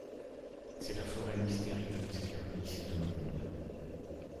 C'est la forêt mystérieuse qui relie ces deux mondes.